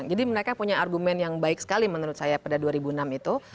jadi mereka punya argumen yang baik sekali menurut saya pada dua ribu enam itu